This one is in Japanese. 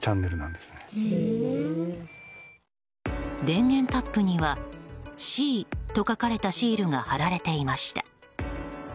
電源タップにはＣと書かれたシールが貼られていました。